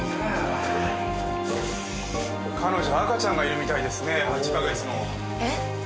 彼女赤ちゃんがいるみたいですね８か月の。え？